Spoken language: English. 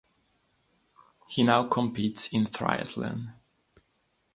He now competes in triathlon.